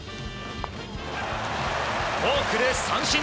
フォークで三振！